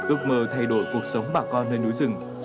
ước mơ thay đổi cuộc sống bà con nơi núi rừng